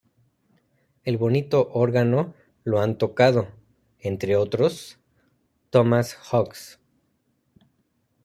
El bonito órgano lo han tocado, entre otros, Thomas Hawkes.